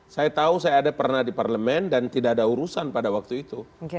saya tahu saya ada pernah di parlemen dan tidak ada urusan pada waktu itu